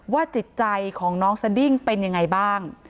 จิตใจของน้องสดิ้งเป็นยังไงบ้าง